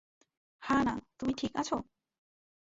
হা-না, তুমি ঠিক আছ?